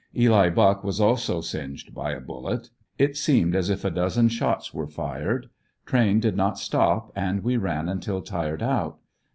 Eli Buck was also singed by a bullet. It seemed as if a dozen shots were fired. Tram did not stop, and we ran until tired out.